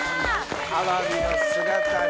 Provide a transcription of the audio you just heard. アワビの姿煮。